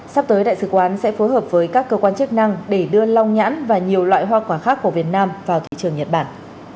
sắp tới đại sứ quán sẽ phối hợp với các cơ quan chức năng để đưa long nhãn và nhiều loại hoa quả khác của việt nam vào thị trường nhật bản